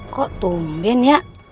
kok tumben ya